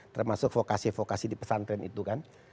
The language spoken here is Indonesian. termasuk vokasi vokasi di pesantren itu kan